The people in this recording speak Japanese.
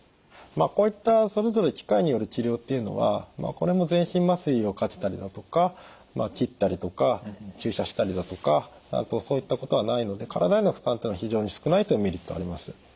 こういったそれぞれ機械による治療っていうのはこれも全身麻酔をかけたりだとか切ったりとか注射したりだとかそういったことはないので体への負担というのは非常に少ないというメリットはあります。